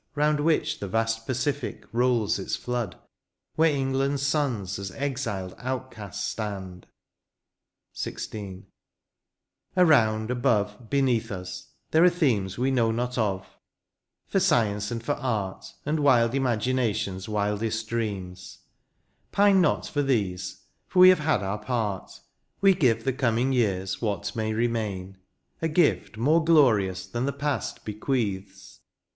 Round which the vast Pacific rolls its flood. Where England's sons as exiled outcasts stand ? THE FUTURE. 139 XVI. Around, above, beneath us, there are themes We know not of, for science and for art. And wild imagination's wildest dreams ; Pine not for these, for we have had our part ; We give the coming years what may remain, — A gift more glorious than the past bequeaths.